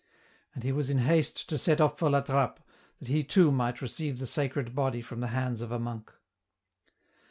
And he was in haste to set off for La Trappe, that he too might receive the Sacred Body from the hands of a monk.